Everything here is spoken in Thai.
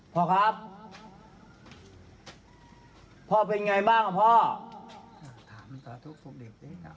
พ่อครับพ่อเป็นยังไงบ้างครับพ่อ